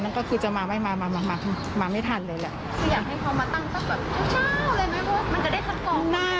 ต้องการกลับมาจากกรรมเหนือวัน